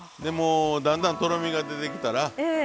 だんだんとろみが出てきたら。